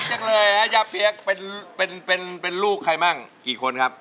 จังเลยย่าเปี๊ยกเป็นลูกใครมั่งกี่คนครับ